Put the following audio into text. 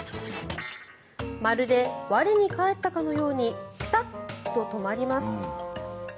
まるで我に返ったかのようにピタッと止まります。